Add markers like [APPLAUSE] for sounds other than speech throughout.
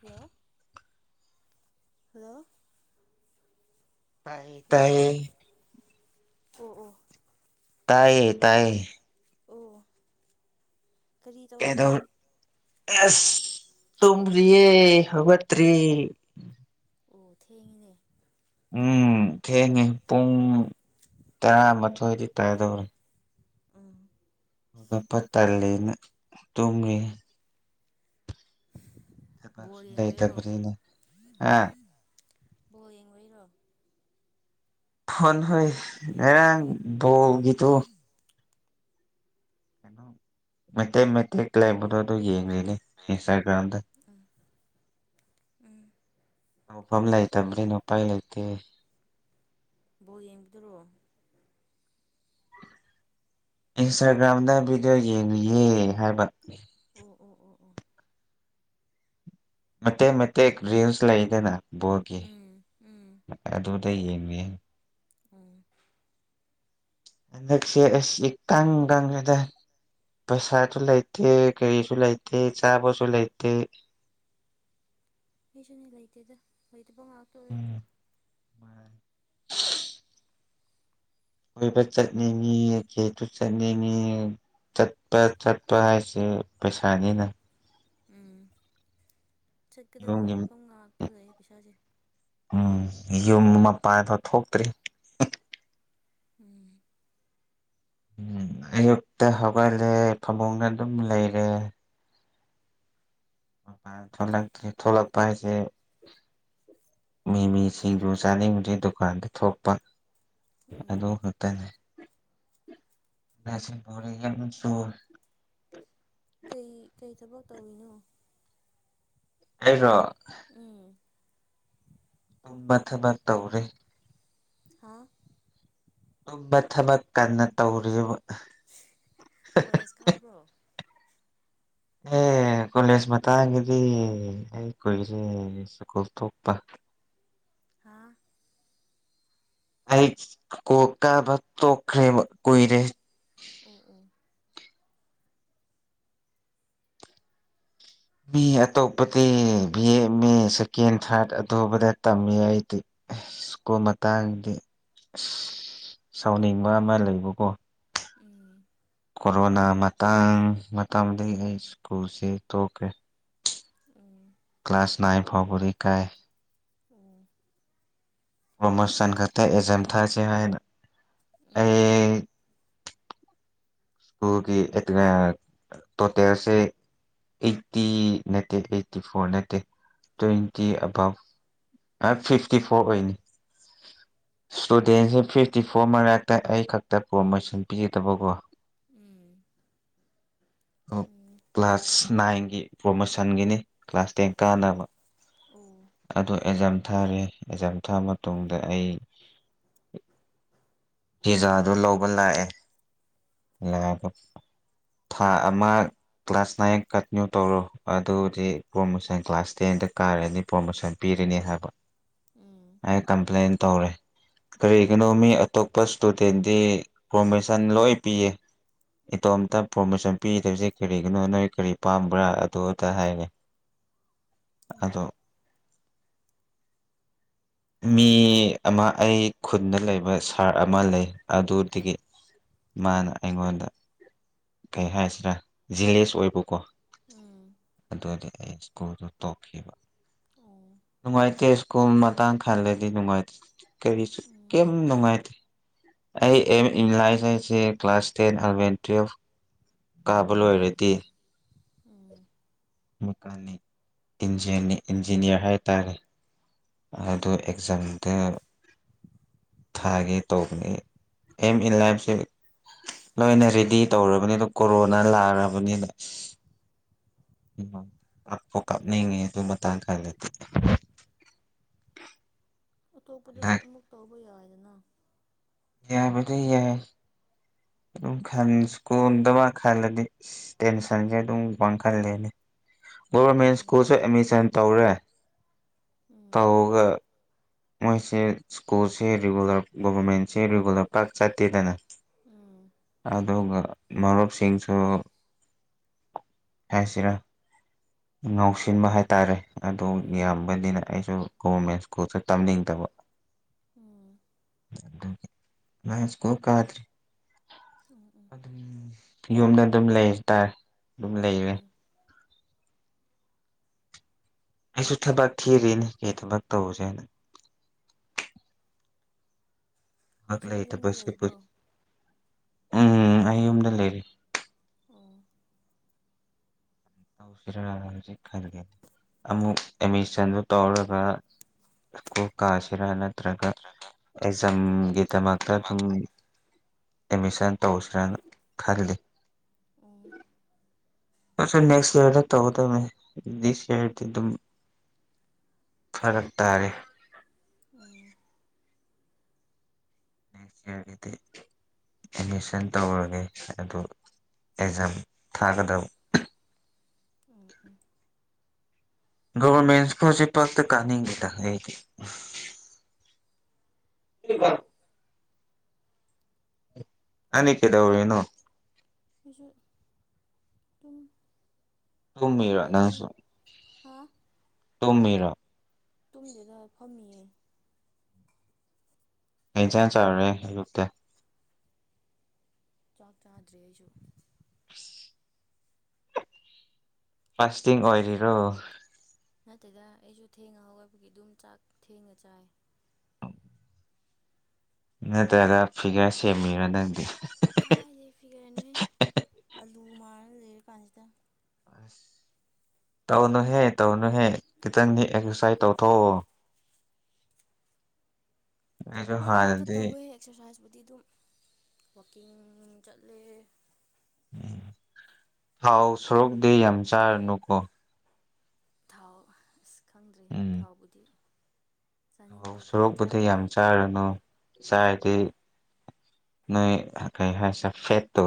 hello hello ꯇꯥꯏꯌꯦ hello ꯇꯥꯏꯌꯦ ꯑꯣ ꯑꯣ ꯇꯥꯌꯦ ꯇꯥꯌꯦ ꯑꯣ ꯀꯔꯤ ꯀꯩꯗꯧ ꯇꯧꯔꯝꯃꯤꯅꯣ ꯑꯁ ꯇꯨꯃꯔꯤꯌꯦ ꯍꯇꯔꯤ ꯑꯣ ꯊꯦꯡꯉꯅꯦ ꯎꯝ ꯊꯦꯡꯉꯦ ꯄꯨꯡ ꯇꯔꯥꯃꯊꯣꯏꯗꯤ ꯀꯥꯗꯧꯔꯦ ꯑ ꯑꯒꯄ ꯇꯜꯂꯤꯅ ꯇꯨꯝꯔꯤ ꯕꯣꯜ ꯇ ꯌꯦꯡꯕꯩꯔꯣ ꯈꯨꯅ ꯑ ꯕꯣ ꯌꯦꯡꯉ ꯏꯔꯣ ꯐꯣꯟ ꯍꯣꯏ ꯉꯔꯥꯡ ꯕꯣꯜꯒꯤꯗꯣ ꯀꯩꯅꯣ ꯃꯇꯦꯛ ꯃꯇꯦꯛ ꯀ꯭ꯂꯥꯏꯕꯗꯣ ꯑꯗꯨ ꯌꯦꯡꯅꯦ ꯏꯟꯁꯇꯥꯒ꯭ꯔꯥꯝꯗ ꯎꯝ ꯅ ꯐꯝꯂꯥꯏꯇꯕ꯭ꯔꯦ ꯅꯄꯥꯒꯥꯏꯇꯦ ꯕꯣ ꯌꯦꯡꯕꯤꯗꯔꯣ ꯏꯟꯁꯇꯥꯒ꯭ꯔꯥꯝꯗ ꯚꯤꯗꯤꯑꯣ ꯌꯦꯡꯂꯤꯌꯦ ꯍꯥꯏꯕꯅꯤ ꯑꯣ ꯑꯣ ꯑꯣ ꯑꯣ ꯃꯇꯦꯛ ꯃꯇꯦꯛ ꯔꯤꯝꯁ ꯂꯩꯗꯅ ꯕꯣꯔꯒꯤ ꯎꯝ ꯎꯝ ꯑꯗꯨ ꯑꯇꯩ ꯌꯦꯡꯉ ꯎꯝ ꯍꯟꯗꯛꯁꯦ ꯇꯪ ꯇꯪꯏꯗ ꯄꯩꯁꯥꯁꯨ ꯂꯩꯇꯦ ꯀꯔꯤꯁꯨ ꯂꯩꯇꯦ ꯆꯥꯕꯁꯨ ꯂꯩꯇꯦ ꯃꯤꯁꯨꯅ ꯂꯩꯇꯗ ꯂꯣꯏꯗꯕꯥ ꯇꯧ ꯎꯝ ꯀꯣꯏꯕ ꯆꯠꯅꯤꯡꯉꯦ ꯀꯣꯏꯕ ꯆꯠꯅꯤꯡꯉꯦ ꯆꯠꯄ ꯆꯠꯄ ꯍꯥꯏꯁꯦ ꯄꯩꯁꯥꯅꯤꯅ ꯎꯝ ꯆꯠꯀꯗꯕ ꯌꯨꯝꯒꯤ ꯃꯐꯝ ꯉꯥꯛꯇ ꯂꯩ ꯄꯩꯁꯥꯁꯦ ꯎꯝ ꯌꯨꯝ ꯃꯄꯥꯟꯕ ꯊꯣꯛꯇ꯭ꯔꯤ ꯎꯝ ꯎꯝ ꯑꯌꯨꯛꯇ ꯍꯧꯒꯠꯂꯦ ꯐꯃꯨꯡꯗ ꯑꯗꯨꯝ ꯂꯩꯔꯦ ꯊ ꯊꯂꯛꯄꯥꯏꯁꯦ ꯃꯤ ꯃꯤꯁꯤꯡꯗꯨ ꯆꯥꯅꯤꯡꯕꯁꯦ ꯗꯨꯀꯥꯟꯗ ꯊꯣꯛꯄ ꯎꯝ ꯑꯗꯨ ꯈꯇꯅꯦ ꯃꯁ ꯄꯦ ꯌꯥꯝꯃ ꯆꯣꯔ ꯀꯩ ꯀꯩ ꯊꯕꯛ ꯇꯧꯔꯤꯅꯣ ꯑꯩꯔꯣ ꯎꯝ ꯃꯊ ꯃ ꯇꯧꯔꯦ ꯍꯥ ꯇꯨꯝꯕ ꯊꯕꯛ ꯀꯟꯅ ꯇꯧꯔꯤꯕ ꯀꯣꯂꯦꯖ ꯀꯥꯕ꯭ꯔꯣ ꯑꯣꯝ ꯑꯦ ꯀꯣꯂꯦꯖ ꯃꯇꯥꯡꯒꯤꯗꯤ ꯑꯩ ꯀꯣꯏꯁꯦ ꯁꯀꯨꯜ ꯊꯣꯛꯄ ꯍꯥ ꯑꯩ ꯀ ꯀꯥꯕ ꯇꯣꯛꯈ꯭ꯔꯦ ꯀꯨꯏꯔꯦ ꯑꯣ ꯑꯣ ꯃꯤ ꯑꯇꯣꯞꯄꯗꯤ ꯕꯤ ꯑꯦꯝ ꯑꯦ ꯁꯦꯀꯦꯟ ꯊꯥꯔꯠ ꯑꯗꯨꯕꯗ ꯇꯝꯃꯤ ꯑꯩꯗꯤ ꯁꯀꯣ ꯃꯇꯥꯡꯗꯤ ꯁꯥꯎꯅꯤꯡꯕ ꯑꯃ ꯂꯩꯕꯀꯣ ꯎꯝ ꯀꯣꯔꯣꯅꯥ ꯃꯇꯥꯡ ꯃꯇꯥꯡꯗꯒꯤ ꯑꯩ ꯁ꯭ꯀꯨꯜꯁꯦ ꯇꯣꯛꯀꯦ ꯀ ꯎꯝ ꯀ꯭ꯂꯥꯁ ꯅꯥꯏ ꯐꯥꯎꯕ ꯀꯥꯏ ꯑꯣ ꯄꯣꯃꯣꯁꯟꯇ ꯑꯦꯖꯦꯝ ꯊꯥ ꯆꯥꯏ ꯎꯝ ꯎꯝ ꯑꯩ ꯁ꯭ꯀꯨꯜꯒꯤ ꯇꯣꯇꯦꯜꯁꯦ ꯑꯩꯠꯇꯤ ꯅꯠꯇꯦ ꯑꯩꯠꯇꯤ ꯐꯣꯔ ꯅꯠꯇꯦ ꯇ꯭ꯋꯦꯟꯇꯤ ꯑꯕꯥꯞ ꯑꯦ ꯐꯤꯐꯇꯤ ꯐꯣꯔ ꯑꯣꯏꯅꯤ ꯏꯁꯇꯨꯗꯦꯟꯁꯦ ꯐꯤꯐꯇꯤ ꯐꯣꯔ ꯃꯔꯛꯇ ꯑꯩ ꯈꯛꯇ ꯄ꯭ꯔꯣꯔꯣꯃꯣꯁꯟ ꯄꯤꯒꯗꯕꯀꯣ ꯎꯝ ꯎꯝ ꯀ꯭ꯂꯥꯁ ꯅꯥꯏꯟꯒꯤ ꯄ꯭ꯔꯣꯃꯣꯁꯟꯒꯤꯅꯤ ꯀ꯭ꯂꯥꯁ ꯇꯦꯟ ꯀꯥꯟꯅꯕ ꯑꯣ ꯎꯝ ꯑꯣ ꯑꯦꯛꯖꯥꯝ ꯊꯥꯔꯦ ꯑꯦꯛꯖꯥꯝ ꯊꯥꯕ ꯃꯇꯨꯡꯗ ꯑꯩ ꯄꯤꯖꯥꯗꯨ ꯂꯧꯕ ꯂꯥꯛꯑꯦ ꯂꯥꯛꯑꯒ ꯊꯥ ꯑꯃ ꯀ꯭ꯂꯥꯁ ꯅꯥꯏꯟ ꯀꯟꯇꯤꯅꯌꯨ ꯇꯧꯔꯣ ꯑꯗꯨꯗꯤ ꯄ꯭ꯔꯣꯃꯣꯁꯟ ꯀ꯭ꯂꯥꯁ ꯇꯦꯟꯗ ꯀꯥꯔꯅꯤ ꯄ꯭ꯔꯣꯔꯣꯃꯣꯁꯟ ꯄꯤ ꯎꯝ ꯀ ꯇꯧꯔꯦ ꯀꯔꯤꯒꯤꯅꯣ ꯃꯤ ꯑꯇꯣꯞꯄ ꯏꯁꯇꯨꯗꯦꯟꯗꯤ ꯄ꯭ꯔꯣꯃꯦꯁꯟ ꯂꯣꯏ ꯄꯏ ꯏꯇꯣꯝꯇ ꯄ꯭ꯔꯣꯃꯤꯣꯁꯟ ꯄꯤꯗꯣꯏꯁꯦ ꯀꯔꯤꯒꯤꯅꯣ ꯅꯣꯏ ꯀꯔꯤ ꯄꯥꯝꯕ꯭ꯔꯥ ꯑꯗꯨꯗ ꯍꯥꯏꯔꯦ [UNINTELLIGIBLE] ꯑꯗꯣ ꯃꯤ ꯑꯃ ꯑꯩ ꯈꯨꯟꯗ ꯂꯩꯕ ꯁꯥꯔ ꯑꯃ ꯂꯩ ꯑꯗꯨꯗꯒꯤ ꯃꯥꯅ ꯑꯩꯉꯣꯟꯗ ꯀꯩ ꯍꯥꯏꯁꯤꯔꯥ ꯖꯤꯂꯦꯁ ꯑꯣꯏꯕꯀꯣ ꯎꯝ ꯑꯗꯨꯗꯤ ꯑꯩ ꯁ꯭ꯀꯨꯜꯗꯨ ꯇꯣꯛꯈꯤꯕ ꯑꯣ ꯅꯨꯡꯉꯥꯏꯇꯦ ꯀꯣꯝ ꯃꯇꯥꯡ ꯈꯜꯂꯗꯤ ꯅꯨꯡꯉꯥꯏꯇꯦ ꯀꯔꯤ ꯀ ꯎꯝ ꯅꯨꯡꯉꯥꯏꯇ ꯑꯩ ꯎꯝ ꯏꯂꯁꯥꯏꯁꯦ ꯀ꯭ꯂꯥꯁ ꯇꯦꯟ ꯑꯦꯂꯕꯦꯟ ꯇꯨꯌꯦꯜꯐ ꯀꯥꯕ ꯂꯣꯏꯔꯗꯤ ꯎꯝ ꯃꯦꯀꯥꯅꯤꯛ ꯏꯟꯌꯥ ꯏꯟꯖꯤꯅꯤꯌꯥꯔ ꯍꯥꯏ ꯇꯔꯦ ꯑꯗꯨ ꯑꯦꯛꯖꯥꯝꯗ ꯊꯥꯒ ꯇꯣꯅꯤ ꯑꯦꯝ ꯏꯟ ꯂꯥꯏꯐꯁꯦ ꯂꯣꯏꯅ ꯔꯦꯗꯤ ꯇꯧꯔꯕꯅꯤ ꯑꯗꯨ ꯀꯣꯔꯣꯅꯥ ꯂꯥꯛꯔꯕꯅꯤꯅ ꯎꯝ ꯄ ꯎꯝ ꯀꯥꯞꯅꯤꯡꯉꯦ ꯃꯊꯥꯡ ꯈꯥꯏ ꯂꯩꯇ ꯑꯇꯣꯞꯄꯗꯁꯨ ꯑꯃꯨꯛ ꯇꯧꯕ ꯌꯥꯏꯗꯅ ꯌꯥꯕꯗꯤ ꯌꯥꯏ ꯑꯗꯨꯝ ꯈꯟ ꯁꯀꯣꯟꯗꯕ ꯈꯜꯂꯗꯤ ꯇꯦꯟꯁꯟꯁꯦ ꯑꯗꯨꯝ ꯋꯥ ꯈꯜꯂꯦꯅꯦ ꯒꯣꯔꯚꯔꯃꯦꯟ ꯎꯝ ꯁ꯭ꯀꯨꯜꯁꯨ ꯑꯦꯠꯃꯤꯁꯟ ꯇꯧꯔꯦ ꯎꯝ ꯇꯧꯔꯒ ꯃꯣꯏꯁꯦ ꯁ꯭ꯀꯨꯜꯁꯦ ꯔꯤꯒꯨꯂꯔ ꯒꯣꯚꯔꯃꯦꯟꯁꯦ ꯔꯤꯒꯨꯂꯔ ꯄꯥꯛ ꯆꯠꯇꯦꯗꯅ ꯎꯝ ꯑꯗꯨꯒ ꯃꯔꯨꯞꯁꯤꯡꯁꯨ ꯐꯦ ꯁꯤꯔꯥ ꯉꯥꯎꯁꯤꯟꯕ ꯍꯥꯏ ꯇꯔꯦ ꯑꯗꯨ ꯎꯝ ꯌꯥꯝꯕꯅꯤꯅ ꯑꯩꯁꯨ ꯒꯣꯚꯔꯃꯦꯟ ꯁ꯭ꯀꯨꯜꯁꯦ ꯇꯝꯅꯤꯡꯗꯕ ꯎꯝ ꯅꯥꯟꯁꯀꯣ ꯀꯗꯔꯤ ꯎꯝ ꯎꯝ ꯑ ꯌꯨꯝꯗ ꯑꯗꯨꯝ ꯂꯩ ꯍꯥꯏꯇꯥꯔꯦ ꯑꯗꯨꯝ ꯂꯩꯔꯦ ꯎꯝ ꯑꯩꯁꯨ ꯊꯕꯛ ꯊꯤꯔꯤꯅꯦ ꯀꯩ ꯊꯕꯛ ꯇꯧꯁꯦ ꯍꯥꯏꯅ ꯊꯛ ꯍꯧꯖꯤꯛ ꯂꯩꯇ ꯌꯨꯝꯗ ꯂꯩꯕ꯭ꯔꯣ ꯎꯝ ꯑꯩ ꯌꯨꯝꯗ ꯂꯩꯔꯤ ꯑꯣ ꯇꯧꯁꯤꯔꯅ ꯍꯧꯖꯤꯛ ꯈꯟꯒꯦ ꯑꯃꯨꯛ ꯑꯦꯗꯃꯤꯁꯟꯗꯨ ꯇꯧꯔꯒ ꯀꯣ ꯀꯥꯁꯤꯔꯥ ꯅꯠꯇ꯭ꯔꯒ ꯑꯦꯛꯖꯥꯝꯒꯤꯗꯃꯛꯇ ꯑꯗꯨꯝ ꯑꯦꯃꯤꯁꯥꯟ ꯇ ꯎꯁꯤꯔꯥꯡ ꯈꯥꯜꯂꯤ ꯎꯝ ꯑꯁ ꯅꯦꯛꯁ ꯂꯔꯠꯇ ꯗꯤꯁꯔ ꯑꯗꯨꯝ ꯐꯔꯛ ꯇꯥꯔꯦ ꯎꯝ ꯅꯦꯛꯁ ꯏꯌꯥꯔꯒꯤꯗꯤ ꯑꯦꯠꯃꯤꯁꯟ ꯇꯧꯔꯒꯦ ꯑꯗꯨ ꯑꯦꯛꯖꯥꯝ ꯊꯥꯒꯗ ꯎꯝ ꯎꯝ ꯒꯚꯔꯃꯦꯟ ꯁ꯭ꯀꯨꯜꯁꯦ ꯄꯛꯇ ꯀꯥꯅꯤꯡꯈꯤꯦꯗ ꯑꯩꯒꯤ ꯀꯣ ꯑꯅꯤ ꯀꯩꯗ ꯑꯣꯏꯅꯣ ꯄꯁꯨ ꯑꯗꯨꯨꯡ ꯇꯨꯝꯃꯤꯔꯣ ꯀꯝꯗ ꯑꯗꯨꯝ ꯅꯪꯁꯨ ꯍꯥ ꯇꯨꯝꯃꯤꯔꯣ ꯇꯨꯝꯗꯗ ꯐꯝꯃꯤꯌꯦ ꯑꯩ ꯆ ꯆꯠꯔꯦꯛꯇ ꯆꯥꯛ ꯆꯥꯗ꯭ꯔꯔꯤ ꯑꯩꯁꯨ ꯐꯥꯁꯇꯤꯡ ꯑꯣꯏꯂꯤꯔꯣ ꯅꯠꯇꯗ ꯑꯩꯁꯨ ꯊꯦꯡꯉ ꯍꯕꯒꯤ ꯑꯗꯨꯝ ꯆꯥꯛ ꯊꯦꯡꯉ ꯆꯥꯏ ꯅꯠꯇ꯭ꯔꯒ ꯐꯤꯒꯔ ꯁꯦꯝꯃꯤꯔꯥ ꯅꯪꯗꯤ ꯀꯥꯏꯗꯦ ꯐꯤꯒꯔꯦ ꯅꯣꯏ ꯑꯂꯨ ꯃꯥꯟꯅ ꯂꯩꯔ ꯀꯥꯟꯁꯤꯗ ꯑꯁ ꯇꯧꯅꯨꯍꯦ ꯇꯧꯅꯨꯍꯦ ꯈꯤꯇꯪꯗꯤ ꯑꯦꯛꯁꯔꯁꯥꯏꯁ ꯇꯧꯊꯣꯛꯑꯣ ꯑꯩꯁꯨ ꯃꯝ ꯍꯥꯟꯅꯗꯤ ꯇꯧꯏ ꯑꯦꯔꯥꯏ ꯑꯗꯨꯗꯨꯝ ꯋꯥꯀꯤꯡ ꯆꯠꯂꯦ ꯎꯝ ꯊꯥꯎ ꯁꯣꯔꯣꯛꯗꯦ ꯌꯥꯝ ꯆꯥꯔꯅꯨꯀꯣ ꯊꯥꯎ ꯑꯁ ꯈꯪꯗ꯭ꯔꯦ ꯎꯝ ꯊꯥꯎꯕꯨꯗꯤ ꯆꯥꯅꯤꯡꯕ ꯊꯥꯎ ꯁꯣꯔꯣꯛꯄꯨꯗꯤ ꯌꯥꯝ ꯆꯥꯗ꯭ꯔꯗꯤ ꯆꯥꯔꯨꯅꯨ ꯆꯥꯏꯔꯗꯤ ꯅꯣꯏ ꯀꯩ ꯍꯥꯏꯁꯦ ꯐꯦꯠꯇꯣ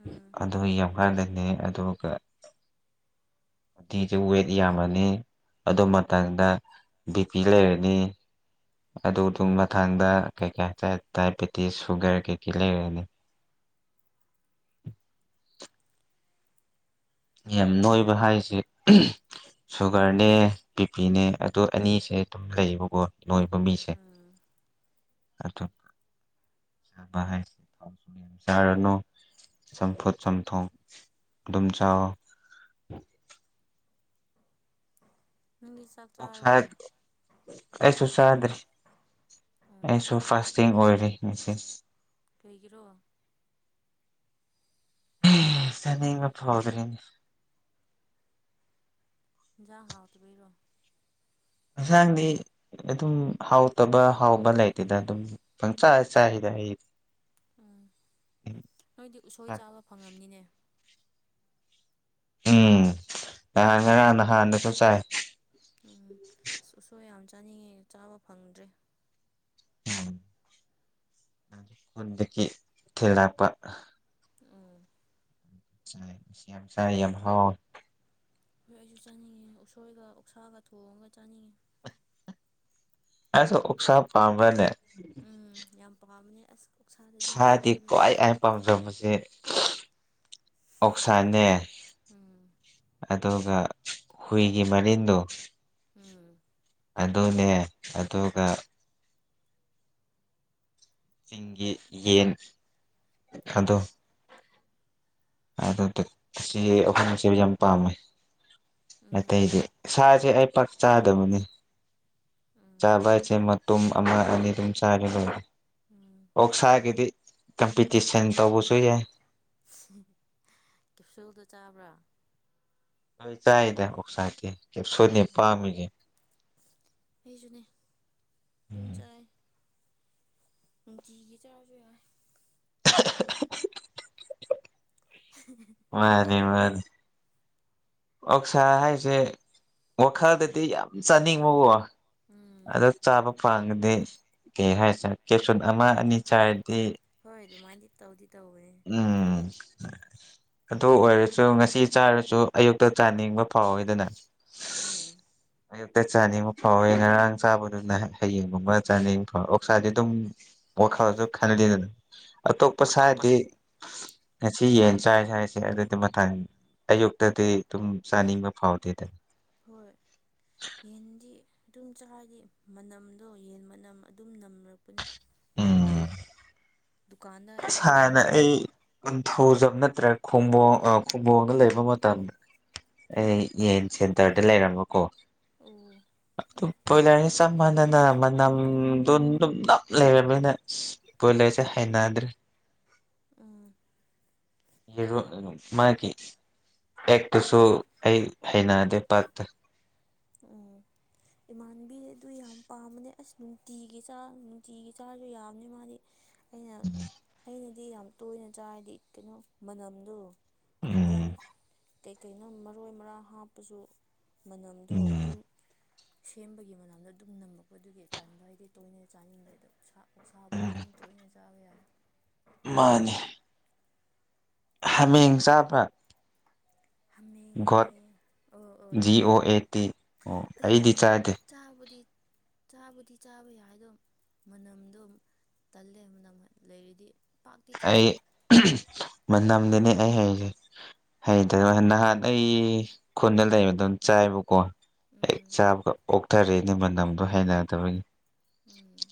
ꯎꯝ ꯑꯗꯨ ꯌꯧ ꯃꯥꯥꯟꯗꯦ ꯑꯗꯣ ꯀ ꯐꯤꯁꯦ ꯋꯦꯠ ꯌꯥꯝꯃꯅꯤ ꯑꯗꯨ ꯃꯇꯝꯗ ꯕꯤ ꯄꯤ ꯂꯩꯔꯅꯤ ꯑꯗꯨꯗꯨ ꯃꯊꯥꯡꯗ ꯀꯩꯀꯩ ꯍꯥꯏꯇꯥꯦ ꯗꯥꯏꯕꯦꯇꯤꯁ ꯁꯨꯒꯔ ꯀꯩꯀꯩ ꯂꯩꯔꯅꯤ ꯌꯥꯝ ꯅꯣꯏꯕ ꯍꯥꯏꯁꯦ ꯁꯨꯒꯔꯅꯦ ꯕꯤ ꯄꯤꯅꯦ ꯑꯗꯨ ꯑꯅꯤꯁꯦ ꯑꯗꯨꯝ ꯂꯩꯌꯦꯕꯀꯣ ꯂꯣꯏ ꯄꯝꯕꯤꯁꯦ ꯎꯝ ꯆꯥꯕ ꯍꯥꯏꯁꯦ ꯊꯥꯎꯁꯨ ꯌꯥꯝ ꯆꯥꯔꯅꯨ ꯆꯝꯐꯨꯠ ꯆꯝꯊꯣꯛ ꯑꯗꯨꯝ ꯆꯥꯑꯣ ꯅꯪꯗꯤ ꯆꯥꯛ ꯑꯣꯁ ꯆꯥꯔꯕꯣ ꯑꯩꯁꯨꯁꯗ꯭ꯔꯤ ꯎꯝ ꯑꯩꯁꯨ ꯐꯥꯁꯇꯤꯡ ꯑꯣꯏꯔꯦ ꯉꯆ ꯂꯩꯩꯒꯤ꯭ꯔꯣ ꯁꯅꯤ ꯃ ꯐꯗꯔꯅꯤ ꯌꯥ ꯍꯥꯎ ꯇꯕꯤꯦꯔꯣ ꯍꯟꯁꯥꯡꯗꯤ ꯑꯗꯨꯝ ꯍꯥꯎꯇꯕ ꯍꯥꯎꯕ ꯂꯩꯇꯦꯗ ꯑꯗꯨꯝ ꯄꯪ ꯆꯥꯏ ꯆꯥꯏꯈꯤꯗ ꯑꯩ ꯎꯝ ꯅꯣꯏꯗꯤ ꯎꯁꯣꯏ ꯆꯥꯕ ꯐꯪꯉꯝꯅꯤꯅꯦ ꯎꯝ ꯉꯍꯥꯡ ꯉꯔꯥꯡꯅ ꯍꯥꯟꯅꯁꯨ ꯆꯥꯏ ꯎꯝ ꯁꯁ ꯌꯥꯝ ꯆꯥꯅꯤꯡꯉꯦ ꯆꯥꯕ ꯐꯪꯗ꯭ꯔꯦ ꯎꯝ ꯍꯠꯗꯒꯤ ꯊꯂꯄ ꯎꯝ ꯌꯥꯝ ꯁ ꯌꯥꯝ ꯍꯥꯎ ꯍꯣꯏ ꯑꯩꯁꯨ ꯆꯥꯅꯤꯡꯉꯦ ꯎꯁꯣꯏꯒ ꯎꯛꯁꯥꯒ ꯊꯣꯡꯉꯒ ꯆꯥꯅꯤꯡꯉꯦ ꯑ ꯎ ꯎꯆꯁꯥ ꯄꯥꯝꯃꯦꯅꯦ ꯎꯝ ꯌꯥꯝ ꯄꯥꯝꯕꯅꯦ ꯑꯁ ꯑꯣꯛꯁꯥꯗꯗꯤ ꯏꯁꯗꯤ ꯉꯥꯎꯕꯅꯦ ꯈ꯭ꯋꯥꯏ ꯑꯩꯅ ꯄꯥꯝꯖꯕꯁꯤꯦ ꯑꯣꯛꯁꯥꯏꯅꯦ ꯎꯝ ꯑꯗꯨꯒ ꯍꯨꯏꯒꯤ ꯃꯔꯤꯟꯗꯣ ꯎꯝ ꯑꯗꯨꯅꯦ ꯑꯗꯨꯒ ꯁꯤꯡꯒꯤꯒꯤ ꯌꯦꯟ ꯑꯗꯣ ꯍꯣꯏ ꯑꯗꯨ ꯁꯤ ꯑꯩꯈꯣꯏꯅꯆꯦꯕ ꯌꯥꯝ ꯄꯥꯝꯃꯦ ꯎꯝ ꯑꯇꯩꯗꯤ ꯁꯥꯁꯦ ꯑꯩ ꯄꯥꯛ ꯆꯥꯗꯕꯅꯤ ꯎꯝ ꯆꯥꯕ ꯍꯥꯏꯁꯦ ꯃꯇꯨꯝ ꯑꯃ ꯑꯅꯤ ꯑꯗꯨꯝ ꯆꯥꯔ ꯂꯣꯏꯔꯦ ꯎꯝ ꯑꯣꯛꯁꯥꯒꯤꯗꯤ ꯀꯝꯄꯤꯇꯤꯁꯟ ꯇꯧꯕꯁꯨ ꯌꯥꯏ ꯀꯦꯞꯁꯣꯜꯗꯣ ꯆꯥꯕ꯭ꯔꯥ ꯍꯣꯏ ꯆꯥꯏꯗ ꯑꯣꯁꯥꯇꯦ ꯀ ꯁꯣꯏꯅꯦ ꯄꯥꯝꯃꯤꯁꯦ ꯍꯖꯅꯤ ꯑꯗꯨꯝ ꯎꯝ ꯆꯥꯏ ꯒꯤ ꯆꯥ ꯎꯝ ꯃꯗꯤ ꯃꯗꯤ ꯑꯣꯛꯁꯥ ꯍꯥꯏꯁꯦ ꯋꯥꯈꯜꯗꯗꯤ ꯌꯥꯝ ꯆꯥꯅꯤꯡꯕꯕ ꯎꯝ ꯑꯗꯣ ꯆꯥꯕ ꯄꯥꯉꯗꯤ ꯀꯩ ꯍꯥꯏꯁꯦ ꯀꯦꯞꯆꯟ ꯑꯃ ꯑꯅꯤ ꯆꯥꯏ ꯍꯣꯏ ꯑꯗꯨꯃꯥꯏꯅꯗꯤ ꯇꯧꯗꯤ ꯇꯧꯅꯤ ꯎꯝ ꯑꯗꯨ ꯑꯣꯏꯔꯁꯨ ꯉꯁꯤ ꯆꯥꯔꯁꯨ ꯑꯌꯨꯛꯇ ꯆꯥꯅꯤꯡꯕ ꯐꯥꯎꯋꯤꯗꯅ ꯎꯝ ꯑꯌꯨꯛꯇ ꯆꯥꯅꯤꯡꯕ ꯐꯥꯎꯋꯦ ꯉꯔꯥꯡ ꯆꯥꯕꯗꯨꯅ ꯍꯌꯦꯡ ꯑꯃ ꯆꯥꯅꯤꯡꯕ ꯐꯥꯎꯋꯦ ꯑꯣꯛꯁꯥꯗꯤ ꯑꯗꯨꯝ ꯋꯥꯈꯜꯁꯨ ꯈꯜꯂꯤꯗꯅ ꯑꯇꯣꯞꯄ ꯁꯥꯔꯗꯤ ꯉꯁꯤ ꯌꯦꯟ ꯆꯥꯏ ꯍꯥꯏꯁꯦ ꯑꯗꯨꯗꯤ ꯃꯊꯥ ꯑꯌꯨꯛꯇꯗꯤ ꯑꯗꯨꯝ ꯆꯥꯅꯤꯡꯕ ꯐꯥꯎꯗꯦꯗ ꯍꯣꯏ ꯌꯦꯟꯗꯤ ꯑꯗꯨꯝ ꯆꯥꯗꯤ ꯃꯅꯝꯗꯣ ꯌꯦꯟ ꯃꯅꯝ ꯑꯗꯨꯝ ꯅꯝꯂꯛꯄꯅꯤ [UNINTELLIGIBLE] ꯁꯅ ꯌꯣꯟꯕꯗꯣ ꯑꯩ ꯀꯊ ꯈꯨꯖꯞ ꯅꯠꯇ꯭ꯔꯦ ꯈꯨꯝꯕꯣꯡ ꯈꯨꯝꯕꯣꯡꯗ ꯂꯩꯕ ꯃꯇꯝ ꯑꯩ ꯌꯦꯟ ꯁꯦꯟꯇꯔꯗ ꯂꯩꯔꯝꯃꯣꯀꯣ ꯑꯣ ꯑꯗꯨꯝ ꯕꯣꯏꯂꯔꯁꯦ ꯆꯞ ꯃꯥꯟꯅꯅ ꯃꯅꯝꯗꯨ ꯑꯗꯨꯝ ꯅꯞ ꯂꯩꯔꯕꯅꯤꯅ ꯕꯣꯏꯂꯔꯁꯦ ꯗ꯭ꯔꯦ ꯎꯝ ꯌꯦꯔꯣ ꯃꯥꯒꯤ ꯑꯦꯛꯇꯨꯁꯨ ꯑꯩ ꯍꯩꯅꯗꯦ ꯄꯠꯇ ꯎꯝ ꯏꯃꯥꯟꯕꯤ ꯑꯗꯨ ꯌꯥꯝ ꯄꯥꯝꯕꯅꯦ ꯑꯁ ꯅꯨꯡꯇꯤꯒꯤ ꯆꯥ ꯅꯨꯡꯇꯤꯒꯤ ꯆꯥꯁꯨ ꯌꯥꯝꯅꯤ ꯃꯥꯗꯤ ꯑꯩꯅ ꯑꯩꯅꯗꯤ ꯌꯥꯝ ꯇꯣꯏꯅ ꯆꯥꯏꯔꯗꯤ ꯀꯩꯅꯣ ꯃꯅꯝꯗꯣ ꯎꯝ ꯏꯟꯁꯥꯡ ꯀꯩꯀꯩꯅꯣ ꯃꯔꯣꯏ ꯃꯔꯥꯡ ꯍꯥꯞꯄꯁꯨꯩ ꯑꯗꯣ ꯎꯝ ꯑꯗꯨꯝ ꯁꯦꯝꯕꯒꯤ ꯃꯅꯥꯝꯗ ꯑꯗꯨꯝ ꯅꯝꯃꯛꯄꯗꯨꯒꯤ ꯇꯟꯕ ꯍꯥꯏꯗꯤ ꯇꯣꯏꯅ ꯆꯥꯅꯤꯡꯕ ꯑꯗꯣ ꯁꯥꯕꯨꯗꯤ ꯑꯗꯨꯝ ꯇꯣꯏꯅ ꯃꯖꯥꯕ ꯌꯥ ꯃꯥꯅꯦ ꯍꯥꯃꯦꯡ ꯆꯥꯕ ꯍꯥꯃꯦꯡ ꯒꯣꯠ ꯍꯥꯃꯦꯡ ꯑꯣ ꯖꯤ ꯆꯥꯏ ꯑꯣ ꯑꯦ ꯇꯤ ꯑꯣ ꯑꯗꯣ ꯑꯩꯗꯤ ꯆꯥꯗꯦ ꯆꯥꯕꯨꯗꯤ ꯆꯥꯕꯨꯗꯤ ꯆꯥꯕ ꯌꯥꯏꯗꯣ ꯃꯅꯝꯗꯣ ꯇꯜꯂꯦ ꯃꯅ ꯂꯩꯔꯤꯗꯤ ꯄꯥꯛꯇꯤ ꯆꯥꯗꯦ ꯃꯝꯗꯅꯤ ꯑꯩ ꯍꯥꯏꯁꯦ ꯍꯩꯇ ꯅꯍꯥꯟ ꯑꯩ ꯈꯨꯟꯗ ꯂꯩꯕ ꯑꯗꯨꯝ ꯆꯥꯏꯕꯀꯣ ꯍ ꯎꯝ ꯆꯥꯕꯒ ꯑꯣꯛꯊꯔꯦꯅꯦ ꯃꯅꯝꯗ ꯍꯩꯅꯗꯕꯒꯤ ꯎꯝ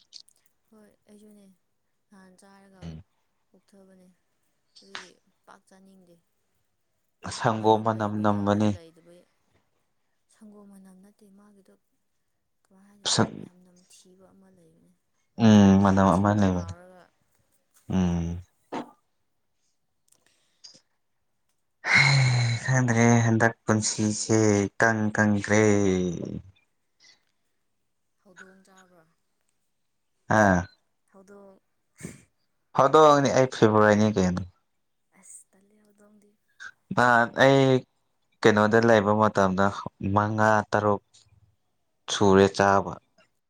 ꯍꯣꯏ ꯑꯩꯁꯨꯅꯦ ꯅꯍꯥꯟ ꯆꯥꯏ ꯀꯣꯛꯊꯕꯅꯦ ꯑꯗꯨꯒꯤ ꯄꯥꯛ ꯆꯥꯅꯤꯡꯗꯦ ꯁꯪꯒꯣꯝ ꯃꯅꯝ ꯂꯩꯕ ꯌꯥꯎꯋꯦ ꯅꯝꯕꯅꯤ ꯂꯩꯗꯕ ꯁꯪꯒꯣꯝ ꯃꯅꯝ ꯅꯠꯇꯦ ꯃꯥꯒꯤꯗꯣ ꯁ ꯊꯤꯕ ꯑꯃ ꯂꯩꯕꯅꯤ ꯎꯝ ꯃꯥꯅꯝ ꯑꯃꯥ ꯎꯝ [INAUDIBLE] ꯈꯪꯗ꯭ꯔꯦ ꯍꯟꯗꯛ ꯄꯨꯟꯁꯤꯁꯦ ꯀꯪ ꯀꯪꯈ꯭ꯔꯦ ꯍꯧꯗꯣꯡ ꯆꯥꯕ꯭ꯔꯥ ꯑꯥ ꯍꯧꯗꫭꯡ ꯑꯗꯣꯅꯤ ꯑꯩ ꯐꯦꯕꯋꯥꯔꯤꯅꯤ ꯀꯩꯅꯩꯅꯣ ꯑꯁ ꯇꯦ ꯎꯗ ꯍꯧꯗꯤ ꯑꯩ ꯀꯩꯅꯣꯗ ꯂꯩꯕ ꯃꯇꯝꯗ ꯃꯉꯥ ꯇꯔꯨꯛ ꯁꯨꯔꯦ ꯆꯥꯕ